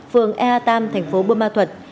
phường ea tam thành phố bùa ma thuật